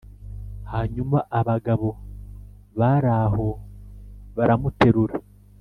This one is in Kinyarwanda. hanyuma abagabo bari aho baramuterura